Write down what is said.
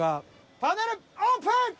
パネルオープン！